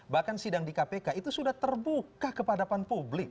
bahkan sidang di kpk itu sudah terbuka kepadapan publik